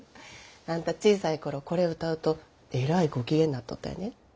あんた小さい頃これ歌うとえらいご機嫌になっとったんやで。